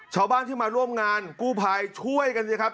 ชาวบ้านที่มาร่วมงานกู้ภัยช่วยกันสิครับ